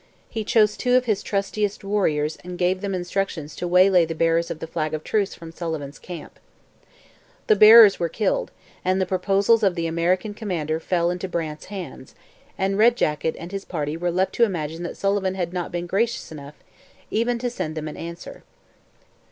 He chose two of his trustiest warriors and gave them instructions to waylay the bearers of the flag of truce from Sullivan's camp. The bearers were killed and the proposals of the American commander fell into Brant's hands, and Red Jacket and his party were left to imagine that Sullivan had not been gracious enough even to send them an answer.